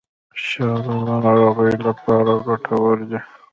شات د ناروغیو لپاره ګټور دي.